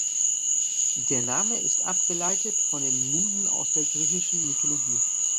Der Name ist abgeleitet von den Musen aus der griechischen Mythologie.